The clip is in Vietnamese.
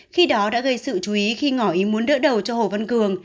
khi đó đã gây sự chú ý khi ngỏ ý muốn đỡ đầu cho hồ văn cường